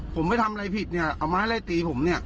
ผมไม่ทำอะไรผิดเนี่ยเอาไม้ไล่ตีผมเนี่ย